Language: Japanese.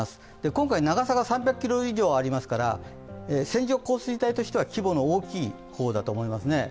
今回長さが３００ｋｍ以上ありますから線状降水帯としては規模の大きい方だと思いますね。